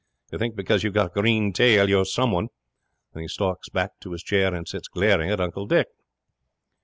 You think because you've got a green tail you're someone." And he stalks back to his chair and sits glaring at Uncle Dick.